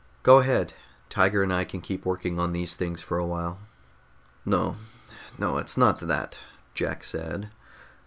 "Go ahead. Tiger and I can keep working on these things for a while." "No, no, it's not that," Jack said.